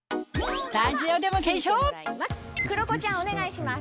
黒子ちゃんお願いします。